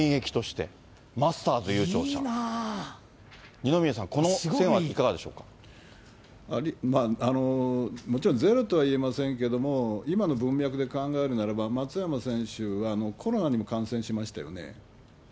二宮さん、まあ、もちろんゼロとは言いませんけども、今の文脈で考えるならば、松山選手はコロナにも感染しましたよね。